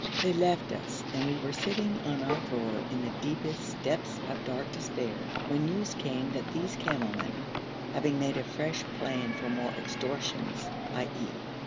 They left us, and we were sitting on our floor in the deepest depths of dark despair, when news came that these camel men, having made a fresh plan for more extortions, _i.e.